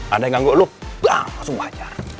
ada yang ganggu lu bang langsung gua hajar